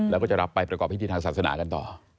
แล้วลับไปประกอบพิทธิ์ทางศักดิ์ศนากันต่อ